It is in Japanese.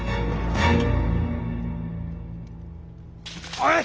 おい！